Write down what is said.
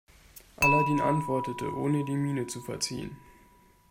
Aladin antwortete, ohne die Miene zu verziehen.